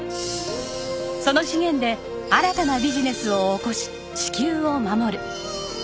その資源で新たなビジネスを起こし地球を守る。